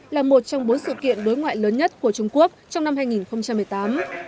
là một trong bốn sự kiện đối ngoại lớn nhất của trung quốc trong năm hai nghìn một mươi tám